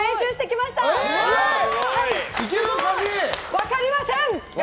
分かりません！